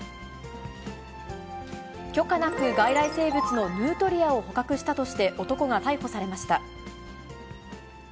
許可なく外来生物のヌートリアを捕獲したとして、男が逮捕されました。